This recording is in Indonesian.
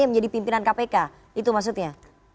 yang menjadi pimpinan kpk itu maksudnya